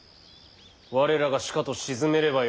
我らがしかと鎮めればよい。